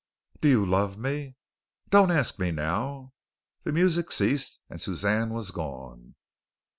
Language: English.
"Do you love me?" "Don't ask me now." The music ceased and Suzanne was gone.